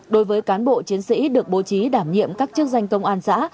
đối với cán bộ chiến sĩ được bố trí đảm nhiệm các chức danh công an xã